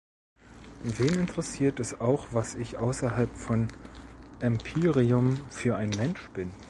Wen interessiert es auch was ich außerhalb von Empyrium für ein Mensch bin?